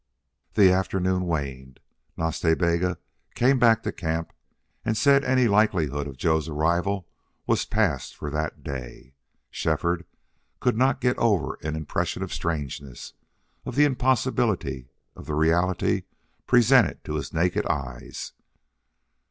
The afternoon waned. Nas Ta Bega came back to camp and said any likelihood of Joe's arrival was past for that day. Shefford could not get over an impression of strangeness of the impossibility of the reality presented to his naked eyes.